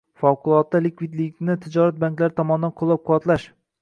Favqulodda likvidlikni tijorat banklari tomonidan qo'llab-quvvatlash